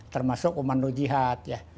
termasuk kumanu jihad